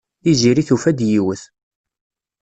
Tiziri tufa-d yiwet.